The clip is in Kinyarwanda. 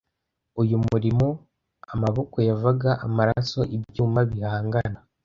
uyu murimo amaboko yavaga amaraso ibyuma bihangana